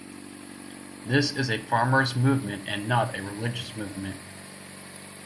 This is a farmers' movement and not a religious movement.